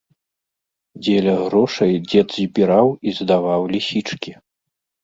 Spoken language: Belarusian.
Дзеля грошай дзед збіраў і здаваў лісічкі.